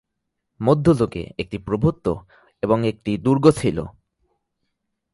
মধ্যযুগে একটি প্রভুত্ব এবং একটি দুর্গ ছিল।